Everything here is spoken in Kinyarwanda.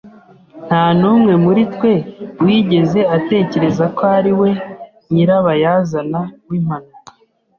Nta n'umwe muri twe wigeze atekereza ko ari we nyirabayazana w'impanuka.